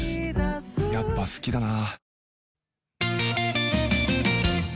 やっぱ好きだなあ！